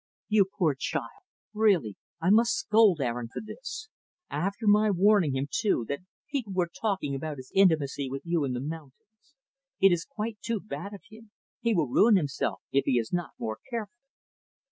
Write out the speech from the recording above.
"You poor child! Really, I must scold Aaron for this. After my warning him, too, that people were talking about his intimacy with you in the mountains It is quite too bad of him! He will ruin himself, if he is not more careful."